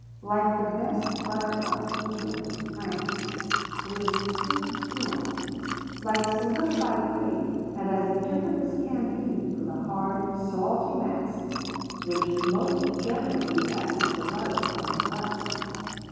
Like the best butter of France and England, it is sweet and pure, like solidified cream, and as different as can be from the hard, salty mass which most generally passes for butter among us.